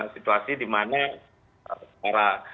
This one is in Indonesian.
situasi di mana